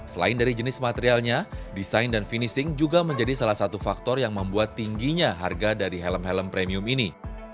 selain dari jenis materialnya desain dan finishing juga menjadi salah satu faktor yang membuat tingginya harga dari helm helm premium ini